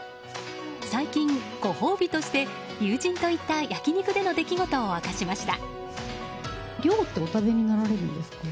最近、ご褒美として友人と行った焼き肉での出来事を明かしました。